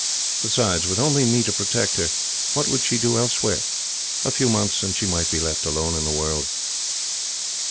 Besides, with only me to protect her, what would she do elsewhere? A few months, and she might be left alone in the world."